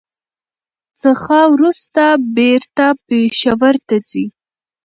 څخه ورورسته بېرته پېښور ته ځي.